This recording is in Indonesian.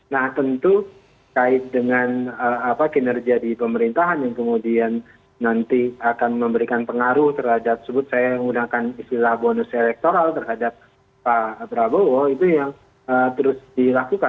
nah tentu kait dengan kinerja di pemerintahan yang kemudian nanti akan memberikan pengaruh terhadap sebut saya menggunakan istilah bonus elektoral terhadap pak prabowo itu yang terus dilakukan